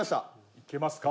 いけますか？